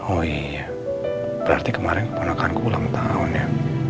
oh iya berarti kemarin keponakanku ulang tahun ya